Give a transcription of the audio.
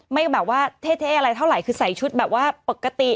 แบบว่าเท่อะไรเท่าไหร่คือใส่ชุดแบบว่าปกติ